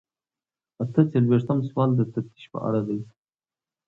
اته څلویښتم سوال د تفتیش په اړه دی.